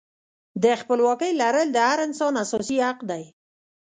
د خپلواکۍ لرل د هر انسان اساسي حق دی.